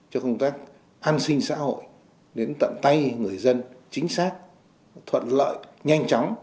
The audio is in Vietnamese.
cho công tác an sinh xã hội đến tận tay người dân chính xác thuận lợi nhanh chóng